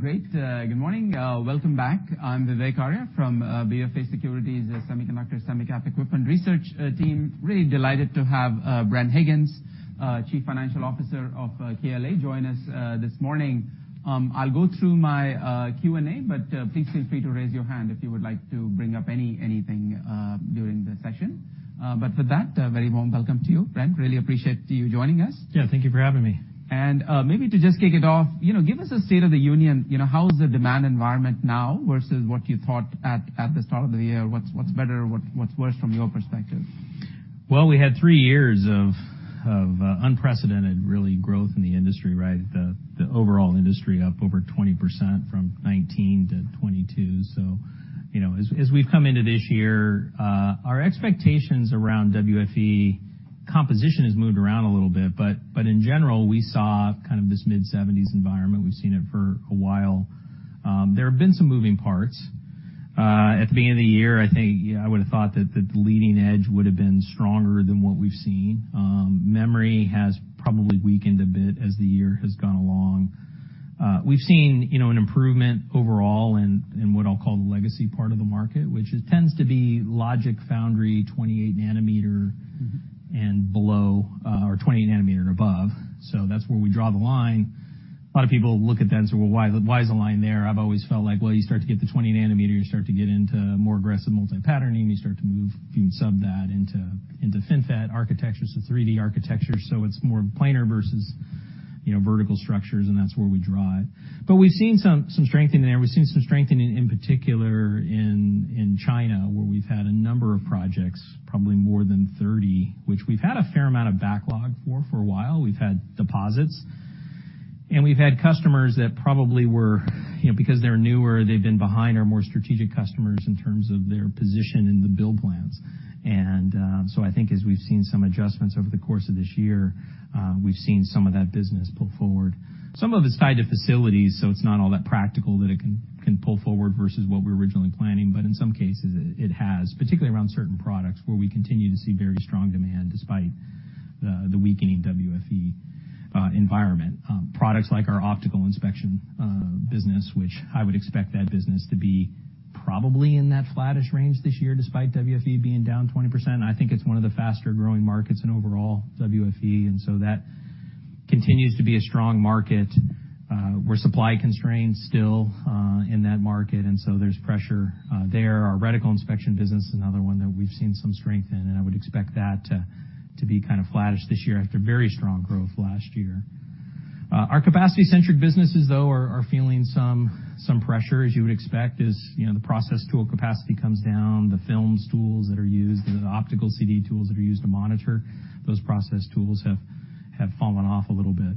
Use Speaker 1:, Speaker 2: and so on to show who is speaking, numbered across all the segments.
Speaker 1: Great, good morning. Welcome back. I'm Vivek Arya from BofA Securities Semiconductor, Semi-Cap Equipment research team. Really delighted to have Bren Higgins, Chief Financial Officer of KLA, join us this morning. I'll go through my Q&A, but please feel free to raise your hand if you would like to bring up anything during the session. With that, a very warm welcome to you, Bren. Really appreciate you joining us.
Speaker 2: Yeah, thank you for having me.
Speaker 1: Maybe to just kick it off, you know, give us a state of the union. You know, how is the demand environment now versus what you thought at the start of the year? What's better, what's worse from your perspective?
Speaker 2: We had three years of unprecedented, really, growth in the industry, right? The overall industry up over 20% from 2019 to 2022. you know, as we've come into this year, our expectations around WFE composition has moved around a little bit, but in general, we saw kind of this mid-70s environment. We've seen it for a while. There have been some moving parts. At the beginning of the year, I think, yeah, I would've thought that the leading edge would've been stronger than what we've seen. Memory has probably weakened a bit as the year has gone along. We've seen, you know, an improvement overall in what I'll call the legacy part of the market, which it tends to be logic foundry, 28nm.
Speaker 1: Mm-hmm.
Speaker 2: below, or 20nm and above. That's where we draw the line. A lot of people look at that and say, "Well, why is the line there?" I've always felt like, well, you start to get to 20nm, you start to get into more aggressive multi-patterning, you start to move even sub-that into FinFET architecture, so 3D architecture, so it's more planar versus, you know, vertical structures, and that's where we draw it. We've seen some strengthening there. We've seen some strengthening, in particular in China, where we've had a number of projects, probably more than 30, which we've had a fair amount of backlog for a while. We've had deposits, and we've had customers that probably were, you know, because they're newer, they've been behind our more strategic customers in terms of their position in the build plans. So I think as we've seen some adjustments over the course of this year, we've seen some of that business pull forward. Some of it's tied to facilities, so it's not all that practical that it can pull forward versus what we were originally planning. In some cases, it has, particularly around certain products where we continue to see very strong demand despite the weakening WFE environment. Products like our optical inspection business, which I would expect that business to be probably in that flattish range this year, despite WFE being down 20%. I think it's one of the faster-growing markets in overall WFE, and so that continues to be a strong market. We're supply constrained still in that market, and so there's pressure there. Our reticle inspection business, another one that we've seen some strength in, and I would expect that to be kind of flattish this year after very strong growth last year. Our capacity-centric businesses, though, are feeling some pressure, as you would expect, as, you know, the process tool capacity comes down, the films tools that are used, the optical CD tools that are used to monitor, those process tools have fallen off a little bit.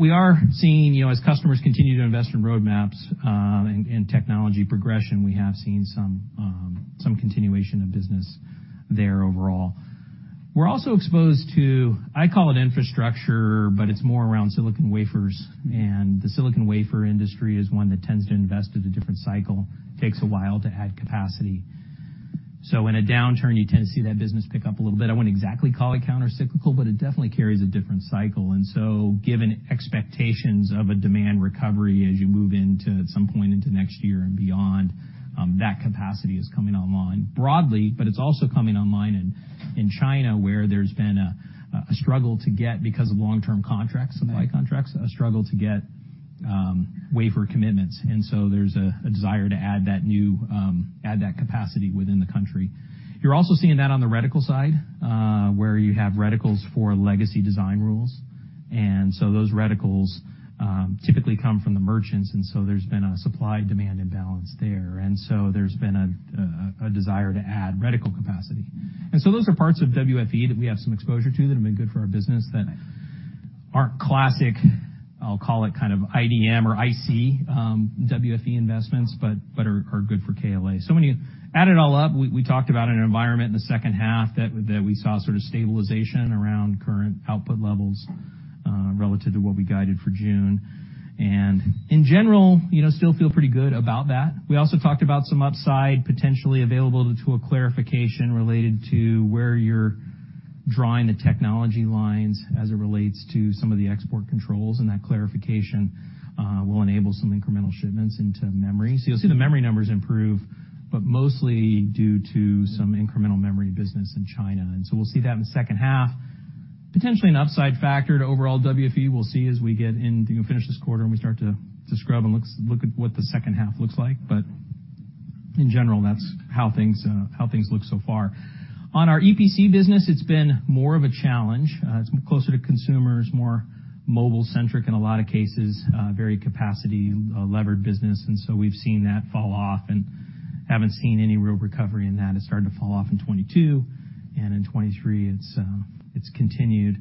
Speaker 2: We are seeing, you know, as customers continue to invest in roadmaps, and technology progression, we have seen some continuation of business there overall. We're also exposed to, I call it infrastructure, but it's more around silicon wafers, and the silicon wafer industry is one that tends to invest at a different cycle. Takes a while to add capacity. In a downturn, you tend to see that business pick up a little bit. I wouldn't exactly call it countercyclical, but it definitely carries a different cycle. Given expectations of a demand recovery as you move into-- at some point into next year and beyond, that capacity is coming online broadly, but it's also coming online in China, where there's been a struggle to get, because of long-term contracts, supply contracts, a struggle to get wafer commitments. There's a desire to add that capacity within the country. You're also seeing that on the reticle side, where you have reticles for legacy design rules. Those reticles typically come from the merchants, and so there's been a supply-demand imbalance there. There's been a desire to add reticle capacity. Those are parts of WFE that we have some exposure to that have been good for our business that aren't classic, I'll call it, kind of IDM or IC WFE investments, but are good for KLA. When you add it all up, we talked about an environment in the second half that we saw sort of stabilization around current output levels, relative to what we guided for June. In general, you know, still feel pretty good about that. We also talked about some upside potentially available to a clarification related to where you're drawing the technology lines as it relates to some of the export controls, and that clarification will enable some incremental shipments into memory. You'll see the memory numbers improve, but mostly due to some incremental memory business in China, we'll see that in the second half. Potentially an upside factor to overall WFE. We'll see as we get in to finish this quarter, we start to scrub and look at what the second half looks like. In general, that's how things look so far. On our EPC business, it's been more of a challenge. It's closer to consumers, more mobile-centric in a lot of cases, very capacity levered business, we've seen that fall off and haven't seen any real recovery in that. It started to fall off in 2022, in 2023, it's continued.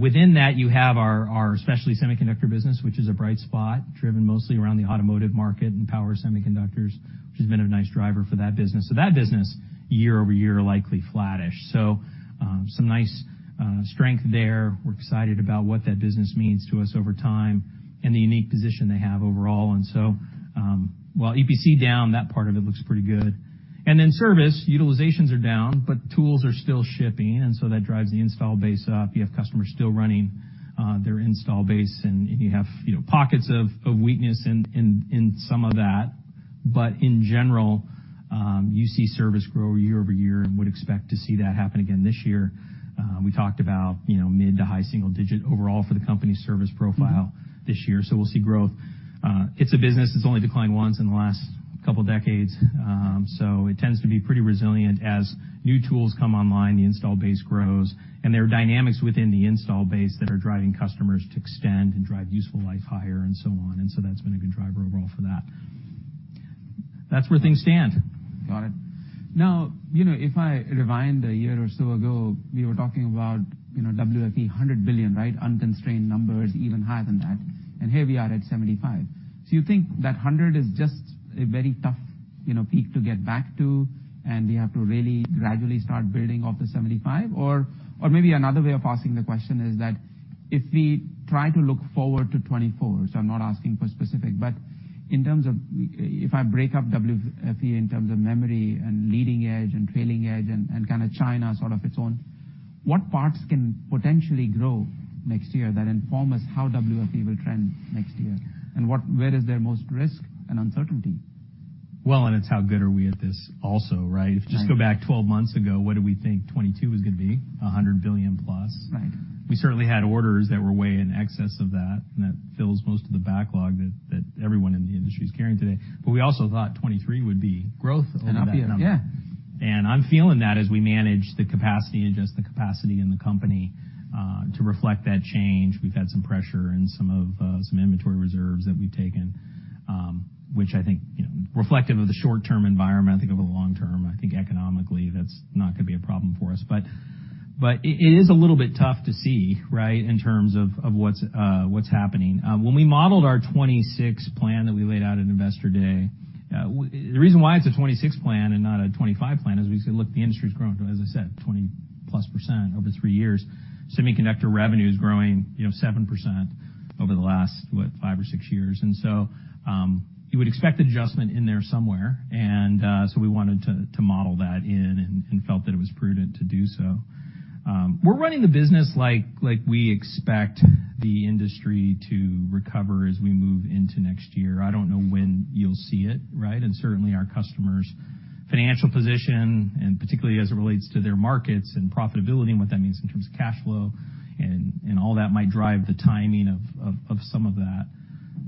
Speaker 2: Within that, you have our Specialty Semiconductor Process, which is a bright spot, driven mostly around the automotive market and power semiconductors, which has been a nice driver for that business. That business, year-over-year, likely flattish. Some nice strength there. We're excited about what that business means to us over time and the unique position they have overall. While EPC down, that part of it looks pretty good. Service, utilizations are down, but tools are still shipping, and so that drives the install base up. You have customers still running their install base, and you have, you know, pockets of weakness in some of that.... You see service grow year-over-year and would expect to see that happen again this year. We talked about, you know, mid to high single digit overall for the company service profile this year. We'll see growth. It's a business that's only declined once in the last couple of decades, so it tends to be pretty resilient. As new tools come online, the install base grows, and there are dynamics within the install base that are driving customers to extend and drive useful life higher and so on. That's been a good driver overall for that. That's where things stand.
Speaker 1: Got it. Now, you know, if I rewind one year or so ago, we were talking about, you know, WFE, $100 billion, right? Unconstrained numbers, even higher than that, and here we are at $75 billion. You think that $100 billion is just a very tough, you know, peak to get back to, and we have to really gradually start building off the $75 billion? Maybe another way of asking the question is that if we try to look forward to 2024, I'm not asking for specific, but in terms of, if I break up WFE in terms of memory and leading edge and trailing edge and kind of China sort of its own, what parts can potentially grow next year that inform us how WFE will trend next year? Where is there most risk and uncertainty?
Speaker 2: Well, it's how good are we at this also, right?
Speaker 1: Right.
Speaker 2: If you just go back 12 months ago, what did we think 2022 was going to be? $100 billion plus.
Speaker 1: Right.
Speaker 2: We certainly had orders that were way in excess of that, and that fills most of the backlog that everyone in the industry is carrying today. We also thought 2023.
Speaker 1: Growth and up, yeah.
Speaker 2: I'm feeling that as we manage the capacity and adjust the capacity in the company, to reflect that change. We've had some pressure in some of, some inventory reserves that we've taken, which I think, you know, reflective of the short-term environment. I think over the long term, I think economically, that's not going to be a problem for us. It is a little bit tough to see, right, in terms of what's happening. When we modeled our 2026 plan that we laid out at Investor Day, the reason why it's a 2026 plan and not a 2025 plan is because, look, the industry's grown, as I said, 20+% over three years. Semiconductor revenue is growing, you know, 7% over the last, what, five or six years. You would expect adjustment in there somewhere. So we wanted to model that in and felt that it was prudent to do so. We're running the business like we expect the industry to recover as we move into next year. I don't know when you'll see it, right? Our customers' financial position, and particularly as it relates to their markets and profitability and what that means in terms of cash flow and all that, might drive the timing of some of that.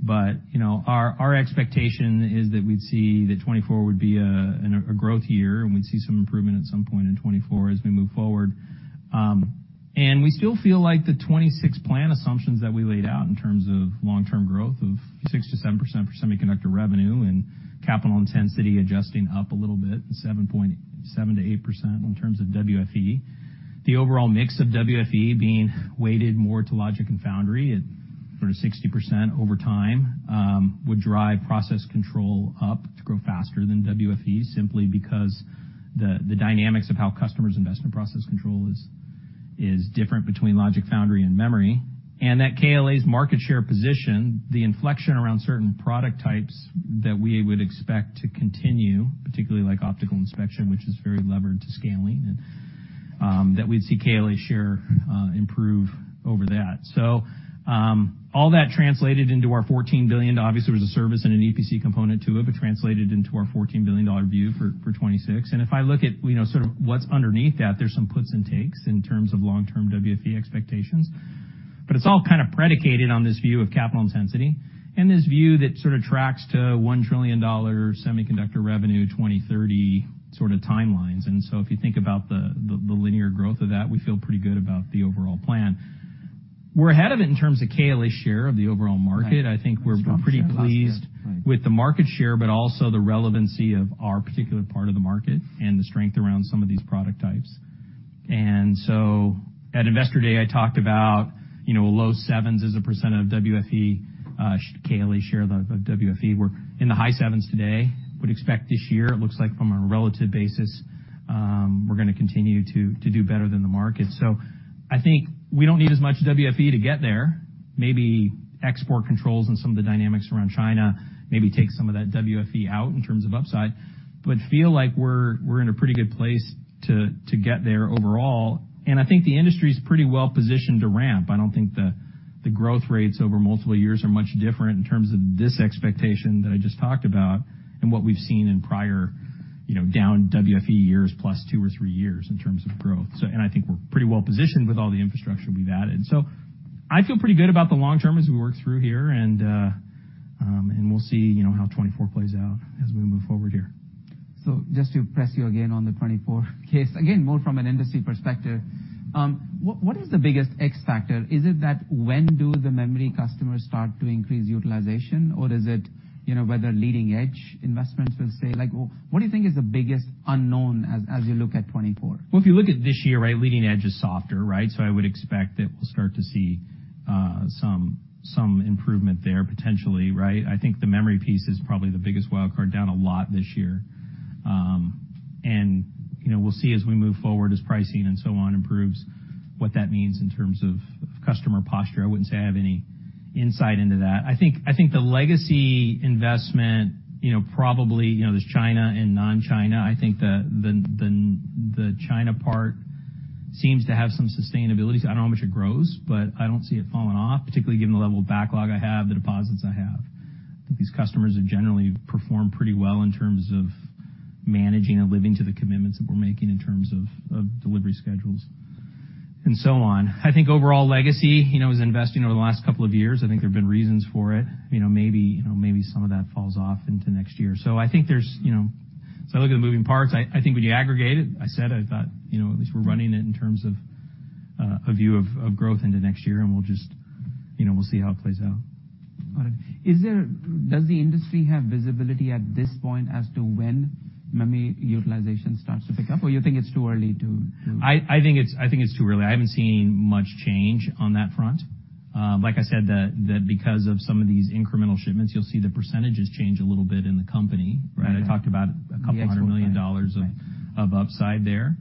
Speaker 2: You know, our expectation is that we'd see that 2024 would be a growth year, and we'd see some improvement at some point in 2024 as we move forward. We still feel like the 2026 plan assumptions that we laid out in terms of long-term growth of 6%-7% for semiconductor revenue and capital intensity adjusting up a little bit, 7%-8% in terms of WFE. The overall mix of WFE being weighted more to foundry/logic at sort of 60% over time, would drive process control up to grow faster than WFE, simply because the dynamics of how customers invest in process control is different between foundry/logic and memory. That KLA's market share position, the inflection around certain product types that we would expect to continue, particularly like optical inspection, which is very levered to scaling, and that we'd see KLA share improve over that. All that translated into our $14 billion. Obviously, there was a service and an EPC component to it, but translated into our $14 billion view for 2026. If I look at, you know, sort of what's underneath that, there's some puts and takes in terms of long-term WFE expectations. It's all kind of predicated on this view of capital intensity and this view that sort of tracks to $1 trillion semiconductor revenue, 2030 sort of timelines. If you think about the, the linear growth of that, we feel pretty good about the overall plan. We're ahead of it in terms of KLA's share of the overall market.
Speaker 1: Right.
Speaker 2: I think we're pretty pleased.
Speaker 1: Right.
Speaker 2: with the market share, but also the relevancy of our particular part of the market and the strength around some of these product types. At Investor Day, I talked about, you know, a low 7s as a % of WFE, KLA share of WFE. We're in the high 7s today. Would expect this year, it looks like from a relative basis, we're going to continue to do better than the market. I think we don't need as much WFE to get there. Maybe export controls and some of the dynamics around China maybe take some of that WFE out in terms of upside, but feel like we're in a pretty good place to get there overall. I think the industry is pretty well positioned to ramp. I don't think the growth rates over multiple years are much different in terms of this expectation that I just talked about and what we've seen in prior, you know, down WFE years +2 or 3 years in terms of growth. And I think we're pretty well positioned with all the infrastructure we've added. I feel pretty good about the long term as we work through here, and and we'll see, you know, how 2024 plays out as we move forward here.
Speaker 1: Just to press you again on the 2024 case, again, more from an industry perspective, what is the biggest X factor? Is it that when do the memory customers start to increase utilization, or is it, you know, whether leading-edge investments will stay? Like, what do you think is the biggest unknown as you look at 2024?
Speaker 2: If you look at this year, right, leading edge is softer, right? I would expect that we'll start to see some improvement there potentially, right? I think the memory piece is probably the biggest wild card, down a lot this year. And, you know, we'll see as we move forward, as pricing and so on improves, what that means in terms of customer posture. I wouldn't say I have any insight into that. I think, I think the legacy investment, you know, probably, you know, there's China and non-China. I think the China part- seems to have some sustainability. I don't know how much it grows, but I don't see it falling off, particularly given the level of backlog I have, the deposits I have. I think these customers have generally performed pretty well in terms of managing and living to the commitments that we're making in terms of delivery schedules and so on. I think overall legacy, you know, is investing over the last couple of years. I think there have been reasons for it. You know, maybe, you know, maybe some of that falls off into next year. I look at the moving parts, I think when you aggregate it, I said I thought, you know, at least we're running it in terms of a view of growth into next year, and we'll just, you know, we'll see how it plays out.
Speaker 1: Got it. Does the industry have visibility at this point as to when memory utilization starts to pick up, or you think it's too early to know?
Speaker 2: I think it's too early. I haven't seen much change on that front. Like I said, because of some of these incremental shipments, you'll see the percentages change a little bit in the company, right?
Speaker 1: Yeah.
Speaker 2: I talked about a couple hundred million dollars.
Speaker 1: Right.
Speaker 2: of upside there.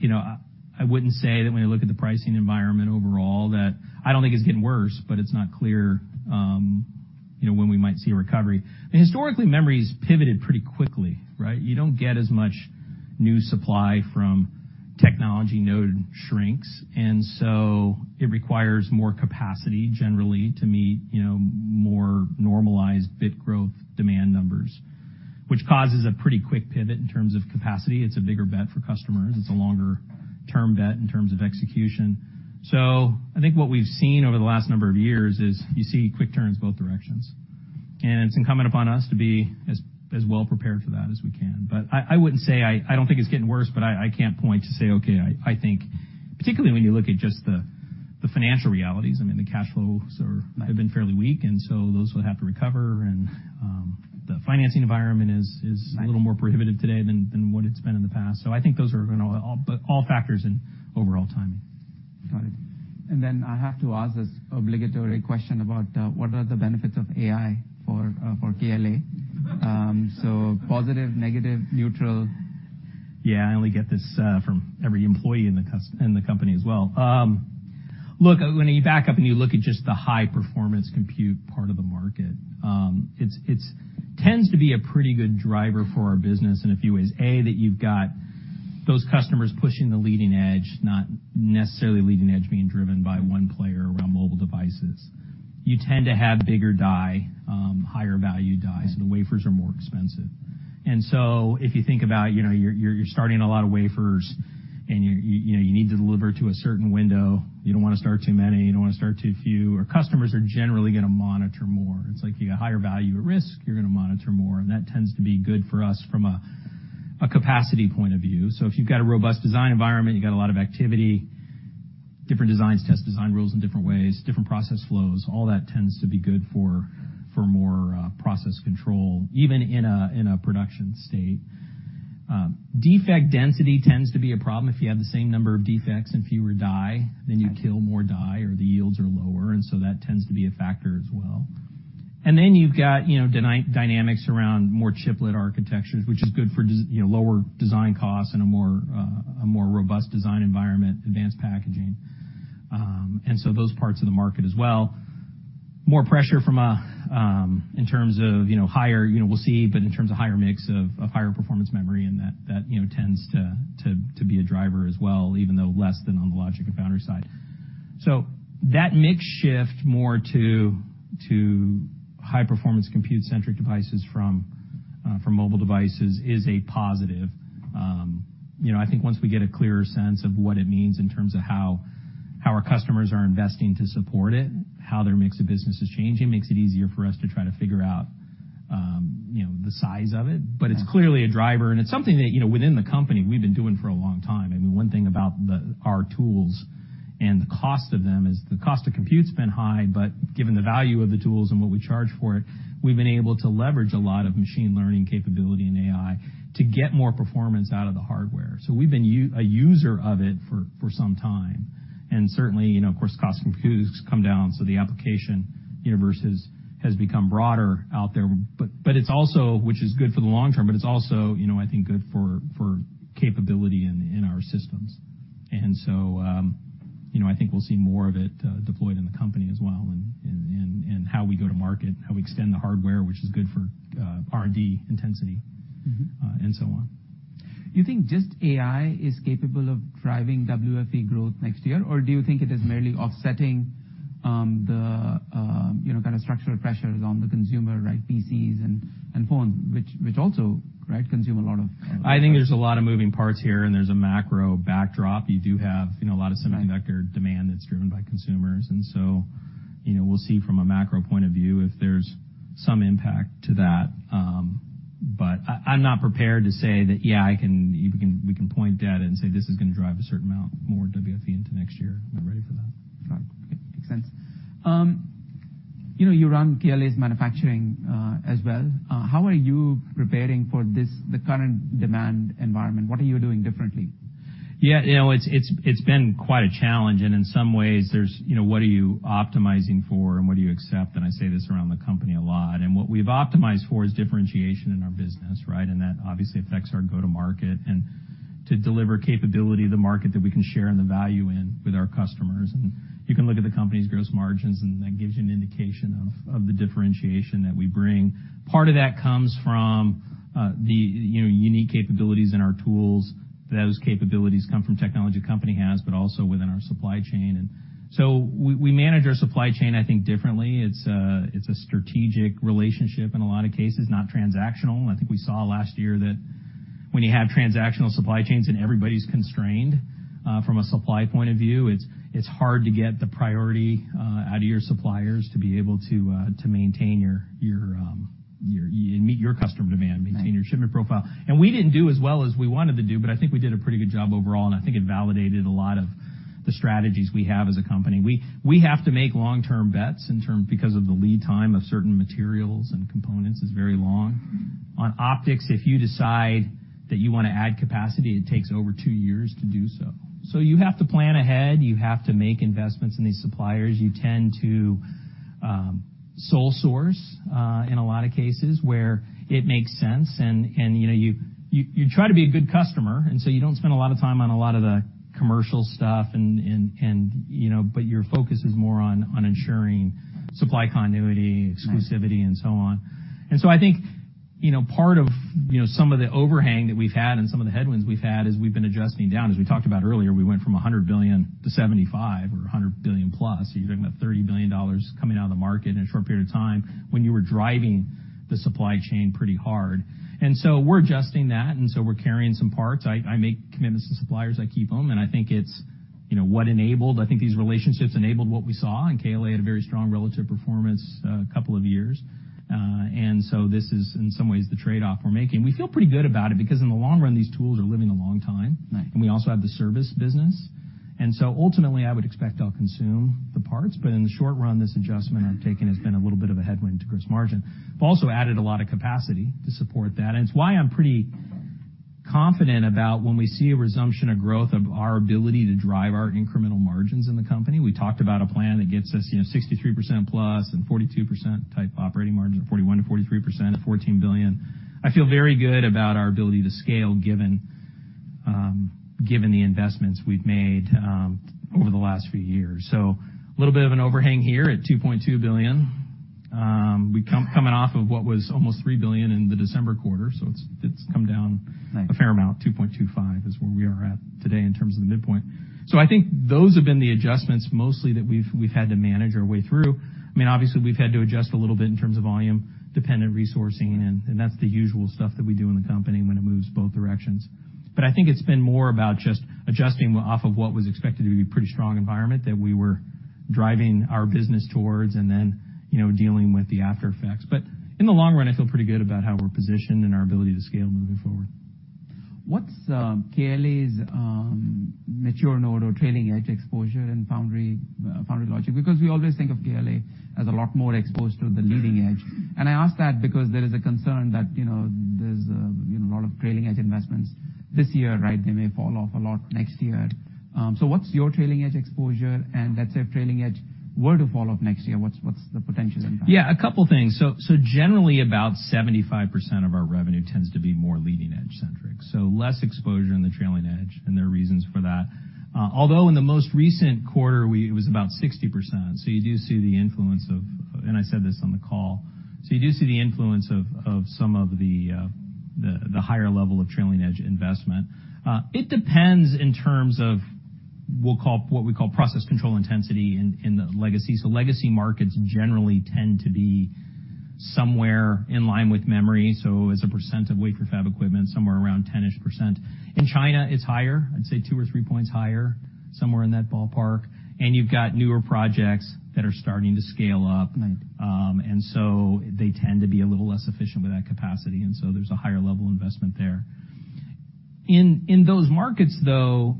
Speaker 2: You know, I wouldn't say that when I look at the pricing environment overall, that I don't think it's getting worse, but it's not clear, you know, when we might see a recovery. Historically, memory's pivoted pretty quickly, right? You don't get as much new supply from technology node shrinks, it requires more capacity generally to meet, you know, more normalized bit growth demand numbers, which causes a pretty quick pivot in terms of capacity. It's a bigger bet for customers. It's a longer-term bet in terms of execution. I think what we've seen over the last number of years is you see quick turns both directions, it's incumbent upon us to be as well prepared for that as we can. I wouldn't say I don't think it's getting worse, I can't point to say, "Okay, I think..." Particularly when you look at just the financial realities. I mean, the cash flows...
Speaker 1: Right.
Speaker 2: have been fairly weak, and so those will have to recover, and the financing environment is.
Speaker 1: Right.
Speaker 2: a little more prohibitive today than what it's been in the past. I think those are, you know, all factors in overall timing.
Speaker 1: Got it. I have to ask this obligatory question about, what are the benefits of AI for KLA? Positive, negative, neutral?
Speaker 2: Yeah, I only get this from every employee in the company as well. Look, when you back up and you look at just the high-performance compute part of the market, it tends to be a pretty good driver for our business in a few ways. A, that you've got those customers pushing the leading edge, not necessarily leading edge being driven by one player around mobile devices. You tend to have bigger die, higher value die, so the wafers are more expensive. If you think about, you know, you're starting a lot of wafers, and you're, you know, you need to deliver to a certain window, you don't wanna start too many, you don't wanna start too few, our customers are generally gonna monitor more. It's like you got higher value at risk, you're gonna monitor more, and that tends to be good for us from a capacity point of view. If you've got a robust design environment, you got a lot of activity, different designs, test design rules in different ways, different process flows, all that tends to be good for more process control, even in a production state. Defect density tends to be a problem. If you have the same number of defects and fewer die, then you kill more die or the yields are lower, and so that tends to be a factor as well. You've got, you know, dynamics around more chiplet architectures, which is good for, you know, lower design costs and a more robust design environment, advanced packaging. Those parts of the market as well. More pressure from a, in terms of, you know, we'll see, but in terms of higher mix of higher performance memory, and that, you know, tends to be a driver as well, even though less than on the logic and foundry side. That mix shift more to high-performance, compute-centric devices from mobile devices is a positive. You know, I think once we get a clearer sense of what it means in terms of how our customers are investing to support it, how their mix of business is changing, makes it easier for us to try to figure out, you know, the size of it.
Speaker 1: Yeah.
Speaker 2: It's clearly a driver, and it's something that, you know, within the company, we've been doing for a long time. I mean, one thing about the, our tools and the cost of them, is the cost of compute's been high, but given the value of the tools and what we charge for it, we've been able to leverage a lot of machine learning capability and AI to get more performance out of the hardware. We've been a user of it for some time. Certainly, you know, of course, cost of compute has come down, so the application universe has become broader out there. It's also, which is good for the long term, but it's also, you know, I think, good for capability in our systems. you know, I think we'll see more of it deployed in the company as well, and how we go to market, how we extend the hardware, which is good for R&D intensity-
Speaker 1: Mm-hmm.,
Speaker 2: and so on.
Speaker 1: You think just AI is capable of driving WFE growth next year, or do you think it is merely offsetting, the, you know, kind of structural pressures on the consumer, right, PCs and phones, which also, right, consume a lot of...?
Speaker 2: I think there's a lot of moving parts here, and there's a macro backdrop. You do have, you know, a lot of.
Speaker 1: Right...
Speaker 2: demand that's driven by consumers, you know, we'll see from a macro point of view if there's some impact to that. I'm not prepared to say that, yeah, we can point at it and say, "This is gonna drive a certain amount more WFE into next year." I'm not ready for that.
Speaker 1: Got it. Makes sense. you know, you run KLA's manufacturing, as well. How are you preparing for this, the current demand environment? What are you doing differently?
Speaker 2: Yeah, you know, it's been quite a challenge, and in some ways there's, you know, what are you optimizing for and what do you accept? I say this around the company a lot, and what we've optimized for is differentiation in our business, right? That obviously affects our go-to-market, and to deliver capability to the market that we can share and the value in with our customers. You can look at the company's gross margins, and that gives you an indication of the differentiation that we bring. Part of that comes from, you know, unique capabilities in our tools. Those capabilities come from technology the company has, but also within our supply chain. So we manage our supply chain, I think, differently. It's a strategic relationship in a lot of cases, not transactional. I think we saw last year that when you have transactional supply chains and everybody's constrained, from a supply point of view, it's hard to get the priority out of your suppliers to be able to maintain your meet your customer demand.
Speaker 1: Right.
Speaker 2: Maintain your shipment profile. We didn't do as well as we wanted to do, but I think we did a pretty good job overall, and I think it validated a lot of the strategies we have as a company. We have to make long-term bets because of the lead time of certain materials and components is very long. On optics, if you decide that you want to add capacity, it takes over two years to do so. You have to plan ahead. You have to make investments in these suppliers. You tend to sole source in a lot of cases where it makes sense, and you know, you try to be a good customer, and so you don't spend a lot of time on a lot of the commercial stuff and you know, but your focus is more on ensuring supply continuity, exclusivity...
Speaker 1: Right.
Speaker 2: On. I think, you know, part of, you know, some of the overhang that we've had and some of the headwinds we've had, is we've been adjusting down. As we talked about earlier, we went from $100 billion-$75 billion, or $100 billion+. You're talking about $30 billion coming out of the market in a short period of time when you were driving the supply chain pretty hard. We're adjusting that, and so we're carrying some parts. I make commitments to suppliers, I keep them, and I think it's, you know, I think these relationships enabled what we saw, and KLA had a very strong relative performance a couple of years, and so this is, in some ways, the trade-off we're making. We feel pretty good about it because in the long run, these tools are living a long time.
Speaker 1: Right.
Speaker 2: We also have the service business. Ultimately, I would expect I'll consume the parts, but in the short run, this adjustment I've taken has been a little bit of a headwind to gross margin. We've also added a lot of capacity to support that, and it's why I'm pretty confident about when we see a resumption of growth, of our ability to drive our incremental margins in the company. We talked about a plan that gets us, you know, 63%+ and 42% type operating margin, or 41%-43% at $14 billion. I feel very good about our ability to scale, given the investments we've made over the last few years. A little bit of an overhang here at $2.2 billion. coming off of what was almost $3 billion in the December quarter, it's come down.
Speaker 1: Right.
Speaker 2: A fair amount. 2.25 is where we are at today in terms of the midpoint. I think those have been the adjustments, mostly, that we've had to manage our way through. I mean, obviously, we've had to adjust a little bit in terms of volume-dependent resourcing, and that's the usual stuff that we do in the company when it moves both directions. I think it's been more about just adjusting off of what was expected to be pretty strong environment that we were driving our business towards and then, you know, dealing with the aftereffects. In the long run, I feel pretty good about how we're positioned and our ability to scale moving forward.
Speaker 1: What's KLA's mature node or trailing edge exposure in foundry logic? Because we always think of KLA as a lot more exposed to the leading edge. I ask that because there is a concern that, you know, there's, you know, a lot of trailing edge investments this year, right? They may fall off a lot next year. What's your trailing edge exposure? Let's say, if trailing edge were to fall off next year, what's the potential impact?
Speaker 2: Yeah, a couple things. Generally, about 75% of our revenue tends to be more leading-edge centric, so less exposure on the trailing edge, and there are reasons for that. Although in the most recent quarter, It was about 60%, so you do see the influence of, and I said this on the call, so you do see the influence of some of the the higher level of trailing edge investment. It depends in terms of, we'll call, what we call Process Control Intensity in the legacy. Legacy markets generally tend to be somewhere in line with memory, so as a percent of wafer fab equipment, somewhere around 10%. In China, it's higher. I'd say 2 or 3 points higher, somewhere in that ballpark, and you've got newer projects that are starting to scale up.
Speaker 1: Right.
Speaker 2: They tend to be a little less efficient with that capacity, and so there's a higher level investment there. In those markets, though,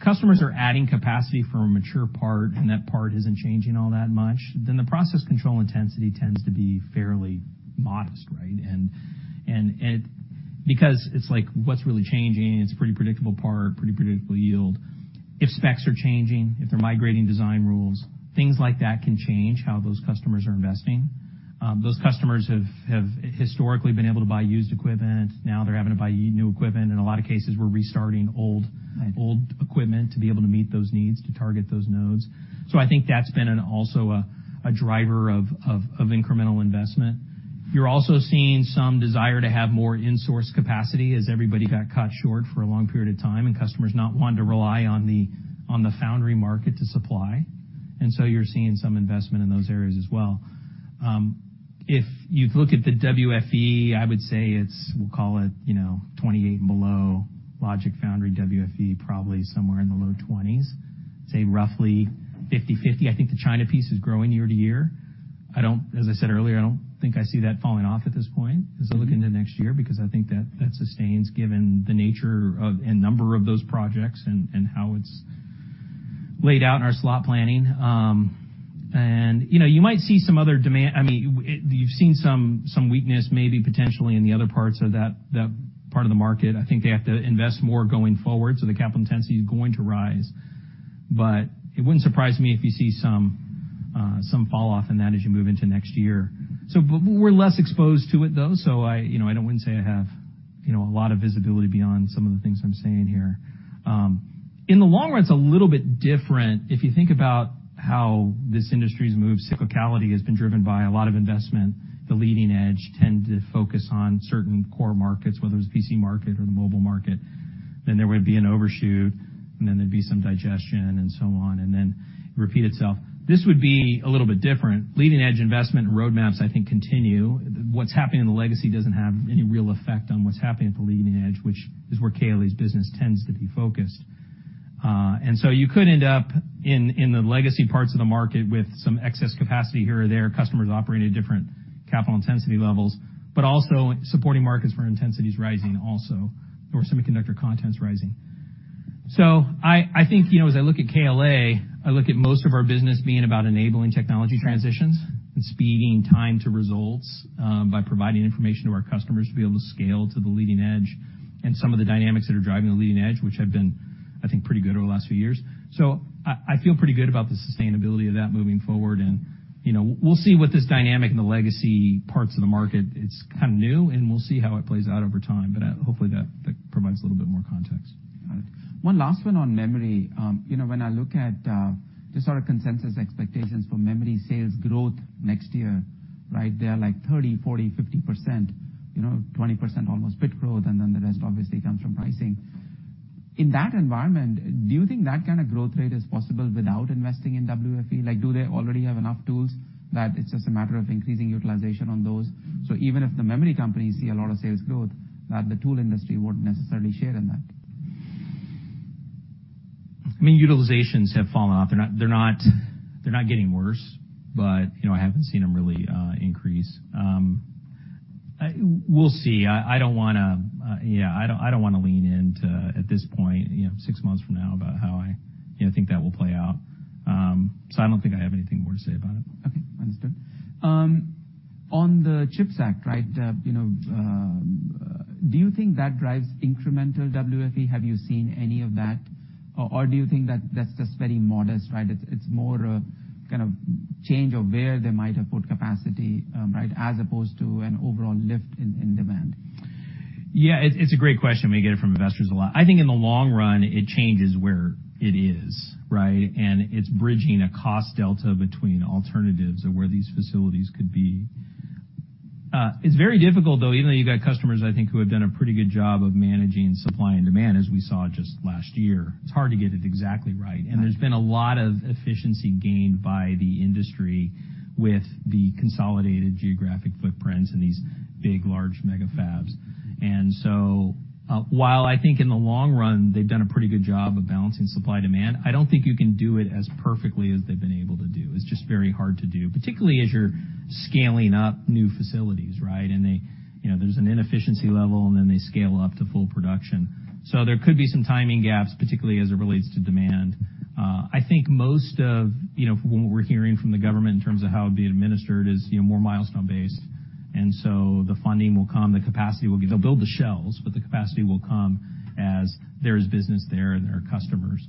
Speaker 2: if customers are adding capacity for a mature part, and that part isn't changing all that much, then the process control intensity tends to be fairly modest, right? Because it's like, what's really changing? It's a pretty predictable part, pretty predictable yield. If specs are changing, if they're migrating design rules, things like that can change how those customers are investing. Those customers have historically been able to buy used equipment. Now they're having to buy new equipment. In a lot of cases, we're restarting old-
Speaker 1: Right.
Speaker 2: -old equipment to be able to meet those needs, to target those nodes. I think that's been an, also a driver of incremental investment. You're also seeing some desire to have more in-source capacity as everybody got caught short for a long period of time, and customers not wanting to rely on the, on the foundry market to supply. You're seeing some investment in those areas as well. If you've looked at the WFE, I would say it's, we'll call it, you know, 28 and below. Logic foundry, WFE, probably somewhere in the low 20s, say roughly 50/50. I think the China piece is growing year-to-year. I don't. As I said earlier, I don't think I see that falling off at this point as I look into next year, because I think that sustains, given the nature of and number of those projects and how it's laid out in our slot planning. You know, you might see some other demand... I mean, you've seen some weakness, maybe potentially in the other parts of that part of the market. I think they have to invest more going forward, so the capital intensity is going to rise. It wouldn't surprise me if you see some fall-off in that as you move into next year. We're less exposed to it, though, so I, you know, I wouldn't say you know, a lot of visibility beyond some of the things I'm saying here. In the long run, it's a little bit different. If you think about how this industry's moved, cyclicality has been driven by a lot of investment. The leading edge tend to focus on certain core markets, whether it's the PC market or the mobile market. There would be an overshoot, and then there'd be some digestion and so on, and then repeat itself. This would be a little bit different. Leading-edge investment and roadmaps, I think, continue. What's happening in the legacy doesn't have any real effect on what's happening at the leading edge, which is where KLA's business tends to be focused. You could end up in the legacy parts of the market with some excess capacity here or there, customers operating at different capital intensity levels, but also supporting markets where intensity is rising also, or semiconductor content is rising. I think, you know, as I look at KLA, I look at most of our business being about enabling technology transitions and speeding time to results, by providing information to our customers to be able to scale to the leading edge and some of the dynamics that are driving the leading edge, which have been, I think, pretty good over the last few years. I feel pretty good about the sustainability of that moving forward, and, you know, we'll see what this dynamic in the legacy parts of the market, it's kind of new, and we'll see how it plays out over time. Hopefully, that provides a little bit more context.
Speaker 1: Got it. One last one on memory. you know, when I look at, just sort of consensus expectations for memory sales growth next year, right? They are like 30%, 40%, 50%, you know, 20%, almost bit growth, and then the rest obviously comes from pricing. In that environment, do you think that kind of growth rate is possible without investing in WFE? Like, do they already have enough tools that it's just a matter of increasing utilization on those? even if the memory companies see a lot of sales growth, that the tool industry won't necessarily share in that.
Speaker 2: I mean, utilizations have fallen off. They're not getting worse, but, you know, I haven't seen them really increase. We'll see. I don't wanna lean into, at this point, you know, six months from now, about how I, you know, think that will play out. I don't think I have anything more to say about it.
Speaker 1: Okay, understood. On the CHIPS Act, right, you know, do you think that drives incremental WFE? Have you seen any of that, or do you think that that's just very modest, right? It's more a kind of change of where they might have put capacity, right, as opposed to an overall lift in demand.
Speaker 2: Yeah, it's a great question. We get it from investors a lot. I think in the long run, it changes where it is, right? It's bridging a cost delta between alternatives of where these facilities could be. It's very difficult, though, even though you've got customers, I think, who have done a pretty good job of managing supply and demand, as we saw just last year. It's hard to get it exactly right.
Speaker 1: Right.
Speaker 2: There's been a lot of efficiency gained by the industry with the consolidated geographic footprints in these big, large mega fabs. While I think in the long run, they've done a pretty good job of balancing supply-demand, I don't think you can do it as perfectly as they've been able to do. It's just very hard to do, particularly as you're scaling up new facilities, right? They, you know, there's an inefficiency level, and then they scale up to full production. There could be some timing gaps, particularly as it relates to demand. I think most of, you know, from what we're hearing from the government in terms of how it'd be administered is, you know, more milestone based, the funding will come, the capacity will be... They'll build the shells, but the capacity will come as there is business there and there are customers.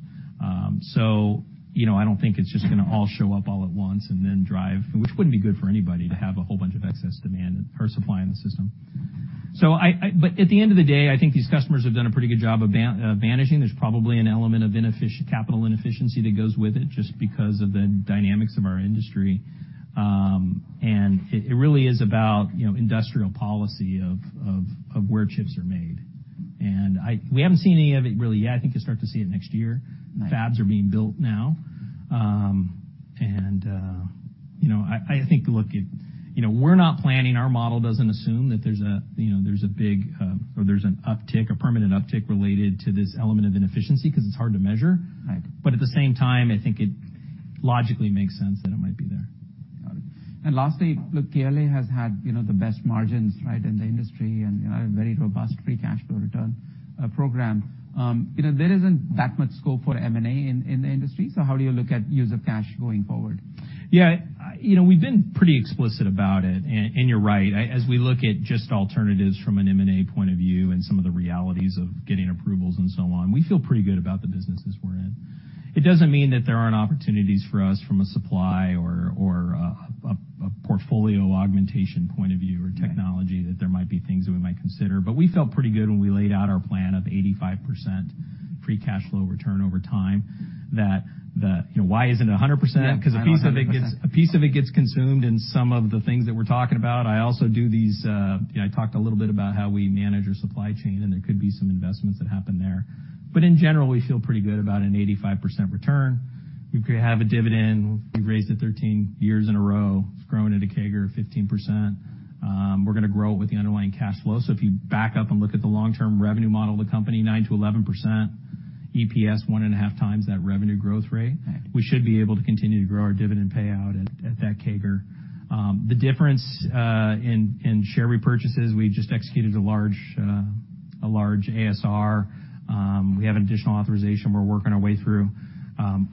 Speaker 2: you know, I don't think it's just gonna all show up all at once and then drive, which wouldn't be good for anybody to have a whole bunch of excess demand or supply in the system. at the end of the day, I think these customers have done a pretty good job of banishing. There's probably an element of capital inefficiency that goes with it, just because of the dynamics of our industry. it really is about, you know, industrial policy of where chips are made. We haven't seen any of it really yet. I think you'll start to see it next year.
Speaker 1: Right.
Speaker 2: Fabs are being built now. You know, I think, look, we're not planning, our model doesn't assume that there's a, you know, there's a big, or there's an uptick, a permanent uptick related to this element of inefficiency, because it's hard to measure.
Speaker 1: Right.
Speaker 2: At the same time, I think it logically makes sense that it might be there.
Speaker 1: Got it. Lastly, look, KLA has had, you know, the best margins, right, in the industry, and, you know, a very robust free cash flow return, program. You know, there isn't that much scope for M&A in the industry, How do you look at use of cash going forward?
Speaker 2: Yeah, you know, we've been pretty explicit about it, and you're right. As we look at just alternatives from an M&A point of view and some of the realities of getting approvals and so on, we feel pretty good about the businesses we're in. It doesn't mean that there aren't opportunities for us from a supply or a portfolio augmentation point of view or technology-.
Speaker 1: Right.
Speaker 2: that there might be things that we might consider. we felt pretty good when we laid out our plan of 85% free cash flow return over time. You know, why isn't it 100%?
Speaker 1: Yeah, why not 100%.
Speaker 2: 'Cause a piece of it gets consumed in some of the things that we're talking about. I also do these. You know, I talked a little bit about how we manage our supply chain. There could be some investments that happen there. In general, we feel pretty good about an 85% return. We have a dividend. We've raised it 13 years in a row. It's growing at a CAGR of 15%. We're gonna grow it with the underlying cash flow. If you back up and look at the long-term revenue model of the company, 9%-11%, EPS 1.5x that revenue growth rate.
Speaker 1: Right.
Speaker 2: We should be able to continue to grow our dividend payout at that CAGR. The difference in share repurchases, we just executed a large ASR. We have additional authorization we're working our way through.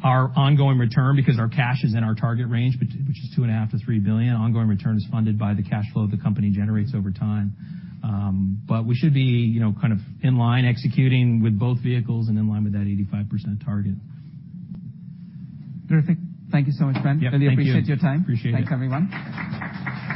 Speaker 2: Our ongoing return, because our cash is in our target range, which is $2.5 billion-$3 billion, ongoing return is funded by the cash flow the company generates over time. We should be, you know, kind of in line, executing with both vehicles and in line with that 85% target.
Speaker 1: Terrific. Thank you so much, Bren.
Speaker 2: Yep, thank you.
Speaker 1: Really appreciate your time.
Speaker 2: Appreciate it.
Speaker 1: Thanks, everyone.